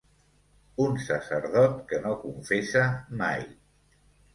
Un sacerdot que no confessa mai.